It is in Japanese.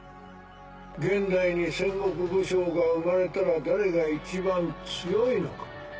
現代に戦国武将が生まれたら誰が一番強いのか？